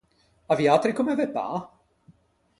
À viatri comme ve pâ?